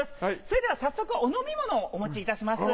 それでは早速お飲み物をお持ちいたします。